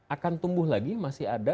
akan tumbuh lagi masih ada